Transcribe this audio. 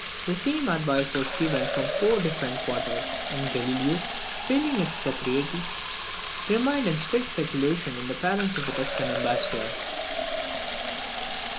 The same advice was given from different quarters; and Galileo, feeling its propriety, remained in strict seclusion in the palace of the Tuscan ambassador.